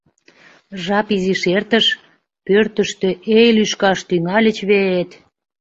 Жап изиш эртыш, пӧртыштӧ, эй, лӱшкаш тӱҥальыч вет!